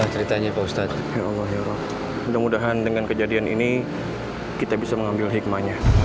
ceritanya postat ya allah ya allah mudah mudahan dengan kejadian ini kita bisa mengambil hikmahnya